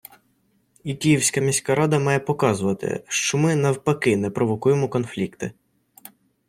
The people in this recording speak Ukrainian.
І Київська міська рада має показувати, що ми, навпаки, не провокуємо конфлікти.